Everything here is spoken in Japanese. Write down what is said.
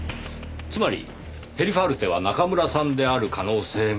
つまりヘリファルテは中村さんである可能性が高い。